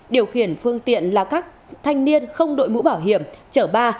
điều khiển phương tiện là các thanh niên không đội mũ bảo hiểm chở ba